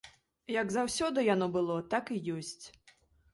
Як заўсёды яно было, так і ёсць.